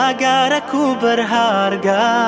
agar aku berharga